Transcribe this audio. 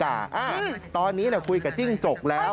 ตอนนี้คุยกับจิ้งจกแล้ว